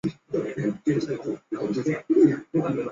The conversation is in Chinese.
泰定四年事。